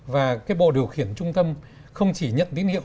và cái bộ điều khiển trung tâm không chỉ nhận tín hiệu